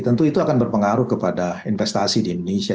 tentu itu akan berpengaruh kepada investasi di indonesia